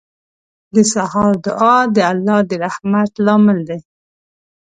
• د سهار دعا د الله د رحمت لامل دی.